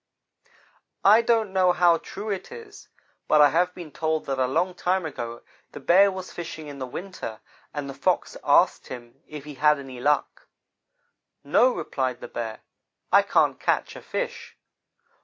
"I don't know how true it is, but I have been told that a long time ago the Bear was fishing in the winter, and the Fox asked him if he had any luck. "'No,' replied the Bear, 'I can't catch a fish.'